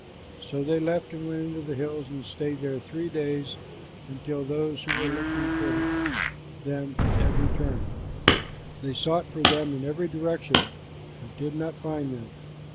So they left and went into the hills and stayed there three days until those who were looking for them had returned. They sought for them in every direction but did not find them.